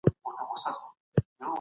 موږ باید د خپل هېواد په ارزښتونو پوه سو.